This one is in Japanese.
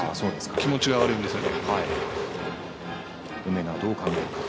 気持ちが悪いんですよね。